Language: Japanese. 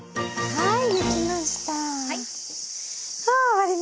はい。